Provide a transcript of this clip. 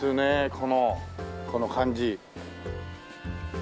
このこの感じ。